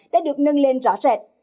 đã được nâng lên rõ rệt